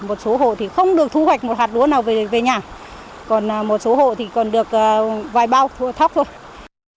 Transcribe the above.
một số hộ thì không được thu hoạch một hạt lúa nào về nhà còn một số hộ thì còn được vài bao thóc thôi